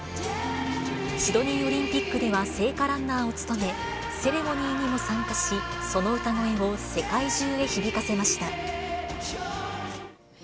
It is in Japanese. シドニーオリンピックでは、聖火ランナーを務め、セレモニーにも参加し、その歌声を世界中へ響かせました。